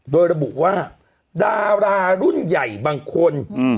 โดยระบุว่าดารารุ่นใหญ่บางคน